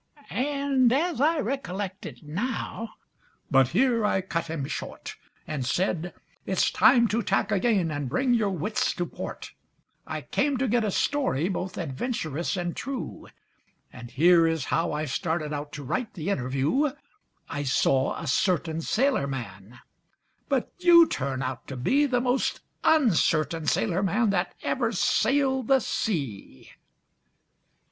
And as I recollect it now, " But here I cut him short, And said: "It's time to tack again, and bring your wits to port; I came to get a story both adventurous and true, And here is how I started out to write the interview: 'I saw a certain sailorman,' but you turn out to be The most un certain sailorman that ever sailed the sea!"